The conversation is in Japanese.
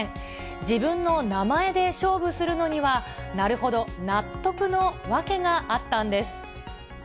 自分の名前で勝負するのにはなるほど、納得の訳があったんです。